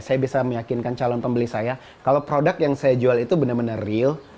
saya bisa meyakinkan calon pembeli saya kalau produk yang saya jual itu benar benar real